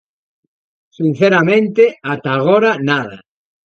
Sinceramente, ata agora, nada.